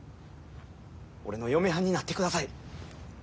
俺の嫁はんになってください。